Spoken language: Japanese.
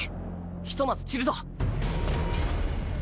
ひとまず散るぞ。